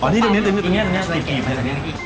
อ๋อที่ตรงนี้ตรงนี้